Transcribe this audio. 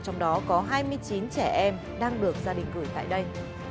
trong đó có hai mươi chín trẻ em đang được gia đình gửi tại đây